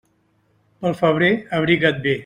Pel febrer abriga't bé.